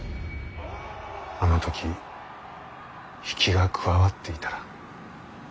あの時比企が加わっていたら。